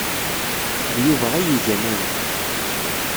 D Yuba ay igan aya.